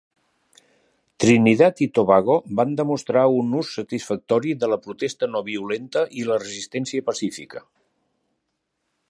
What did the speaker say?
Trinidad i Tobago van demostrar un ús satisfactori de la protesta no violenta i la resistència pacífica.